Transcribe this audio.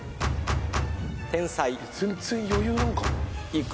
全然余裕なのかな？